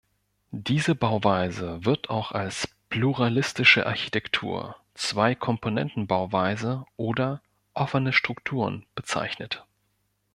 Diese Bauweise wird auch als „Pluralistische Architektur“, „Zwei-Komponenten-Bauweise“ oder „Offene Strukturen“ bezeichnet.